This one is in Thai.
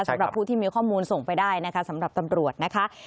สำหรับผู้ที่มีข้อมูลส่งไปได้นะคะสำหรับตำรวจนะคะ